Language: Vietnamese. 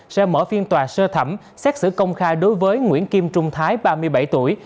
sẽ mở phiên tòa sơ thẩm xét xử công khai đối với nguyễn kim trung thái ba mươi bảy tuổi